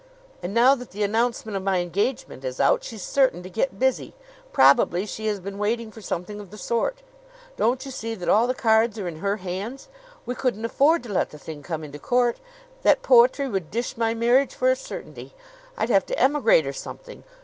"And now that the announcement of my engagement is out she's certain to get busy. Probably she has been waiting for something of the sort. Don't you see that all the cards are in her hands? We couldn't afford to let the thing come into court. That poetry would dish my marriage for a certainty. I'd have to emigrate or something!